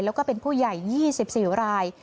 แล้วก็เป็นผู้ใหญ่๒๔ราย